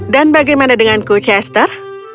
dan bagaimana denganku chester